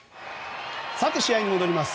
さて、試合に戻ります。